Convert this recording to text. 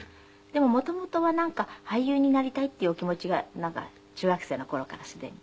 でも元々はなんか俳優になりたいっていうお気持ちがなんか中学生の頃からすでに。